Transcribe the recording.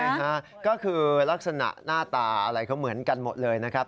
ใช่ฮะก็คือลักษณะหน้าตาอะไรเขาเหมือนกันหมดเลยนะครับ